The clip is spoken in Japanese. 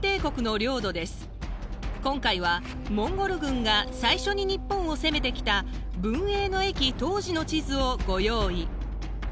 今回はモンゴル軍が最初に日本を攻めてきた文永の役当時の地図をご用意。